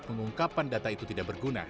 pengungkapan data itu tidak berguna